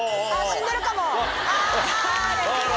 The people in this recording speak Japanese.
死んでるかもあ。